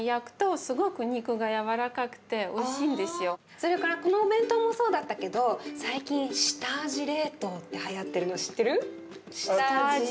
それからこのお弁当もそうだったけど最近下味冷凍ってはやってるの知ってる？